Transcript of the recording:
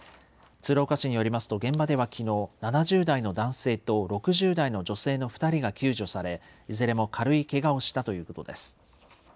鶴岡市によりますと、現場ではきのう、７０代の男性と６０代の女性の２人が救助され、いずれも軽いけがをしたということです。